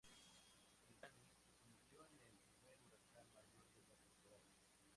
El Danny se convirtió en el primer huracán mayor de la temporada.